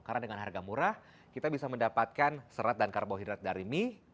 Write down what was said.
karena dengan harga murah kita bisa mendapatkan serat dan karbohidrat dari mie